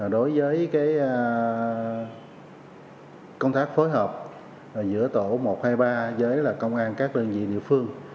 đối với công tác phối hợp giữa tổ một trăm hai mươi ba với công an các đơn vị địa phương